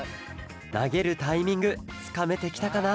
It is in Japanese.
なげるタイミングつかめてきたかな？